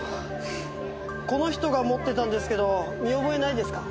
この人が持ってたんですけど見覚えないですか？